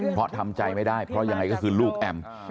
เพราะทำใจไม่ได้เพราะยังไงก็คือลูกแอม